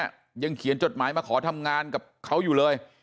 ยังเขียนจดหมายมาขอทำงานกับเขาอยู่เลย